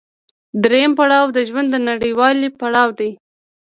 درېیم پړاو د ژوند د نويوالي پړاو دی